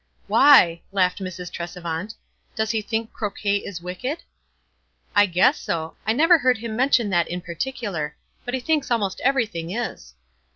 "Why?" laughed Mrs. Tresevant. "Does he think croquet is wicked?" " I guess so. I never heard him mention that in particular ; but he thinks almost everything is."